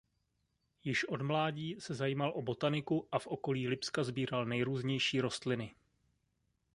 Již od mládí se zajímal o botaniku a v okolí Lipska sbíral nejrůznější rostliny.